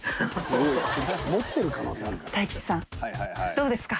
どうですか？